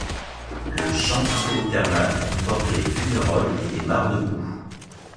Le champ hydrothermal comporte des fumerolles et des mares de boue.